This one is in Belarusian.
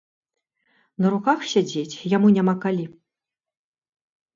На руках сядзець яму няма калі.